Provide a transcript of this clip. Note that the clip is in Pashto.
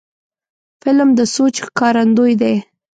فلم د سوچ ښکارندوی دی